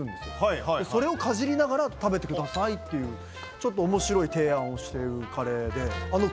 「それをかじりながら食べてください」っていうちょっと面白い提案をしているカレーで。